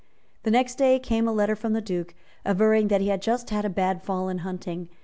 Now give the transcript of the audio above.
The next day came a letter from the Duke, averring that he had just had a bad fall in hunting.